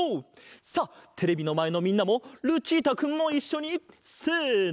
さあテレビのまえのみんなもルチータくんもいっしょにせの！